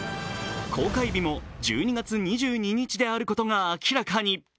公開日も１２月２２日であることが明らかに。